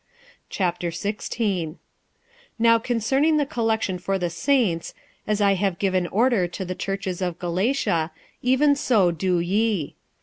46:016:001 Now concerning the collection for the saints, as I have given order to the churches of Galatia, even so do ye.